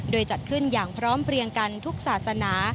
โดยจัดขึ้นอย่างพร้อมเพลียงกันทุกศาสนา